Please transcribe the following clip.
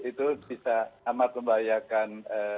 itu bisa amat membahayakan